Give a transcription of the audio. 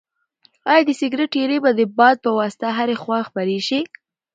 ایا د سګرټ ایرې به د باد په واسطه هرې خواته خپرې شي؟